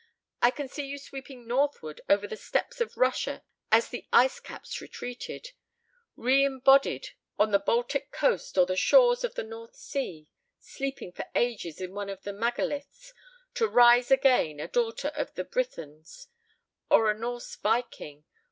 I can see you sweeping northward over the steppes of Russia as the ice caps retreated ... reëmbodied on the Baltic coast or the shores of the North Sea ... sleeping for ages in one of the Megaliths, to rise again a daughter of the Brythons, or of a Norse Viking